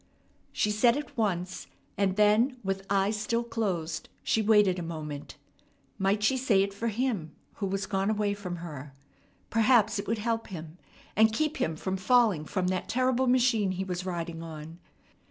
She said it once, and then with eyes still closed she waited a moment. Might she say it for him, who was gone away from her? Perhaps it would help him, and keep him from falling from that terrible machine he was riding on.